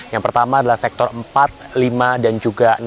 yang pertama adalah sektor empat lima dan juga enam